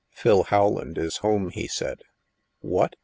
" Phil Rowland is home," he said. What?